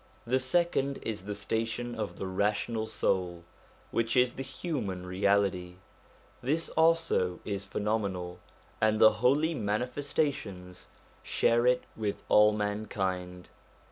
The second is the station of the rational soul, which is the human reality ; this also is phenomenal, and the Holy Manifestations share it with all mankind.